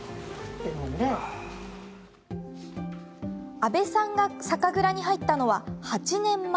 阿部さんが酒蔵に入ったのは８年前。